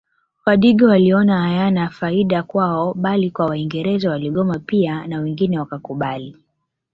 Wadigo waliona hayana faida kwao bali kwa waingereza waligoma pia na wengine wakakubali